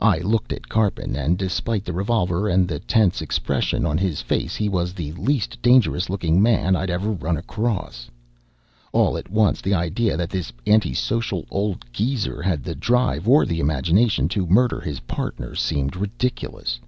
I looked at Karpin, and despite the revolver and the tense expression on his face, he was the least dangerous looking man I'd ever run across. All at once, the idea that this anti social old geezer had the drive or the imagination to murder his partner seemed ridiculous.